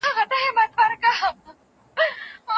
خلک د روغتیا ارزښت پېژني.